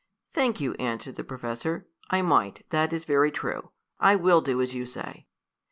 "Thank you," answered the professor. "I might, that is very true. I will do as you say."